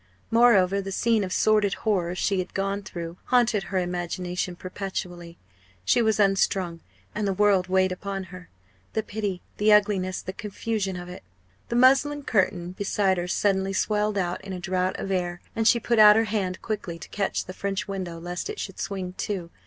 Moreover, the scene of sordid horror she had gone through haunted her imagination perpetually. She was unstrung, and the world weighed upon her the pity, the ugliness, the confusion of it. The muslin curtain beside her suddenly swelled out in a draught of air, and she put out her hand quickly to catch the French window lest it should swing to.